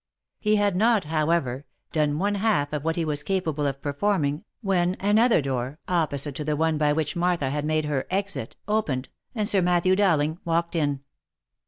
He had not, however, done one half of what he was capable of performing, when another door, opposite to the one by which Martha had made her exit, opened, and Sir Matthew Dowling walked in.